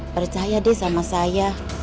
percaya deh sama saya